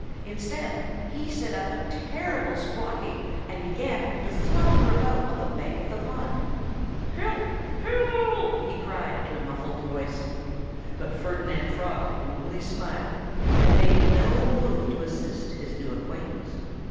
Instead he set up a terrible squawking and began to flounder about on the bank of the pond. "Help! Help!" he cried in a muffled voice. But Ferdinand Frog only smiled and made no move to assist his new acquaintance.